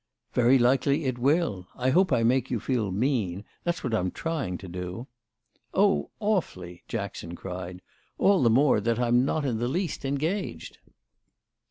"Very likely it will. I hope I make you feel mean. That's what I'm trying to do." "Oh awfully!" Jackson cried. "All the more that I'm not in the least engaged."